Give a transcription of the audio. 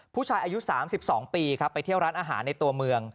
ผู้ชายอายุ๓๒ปีครับไปเที่ยวร้านอาหารในตัวเมือง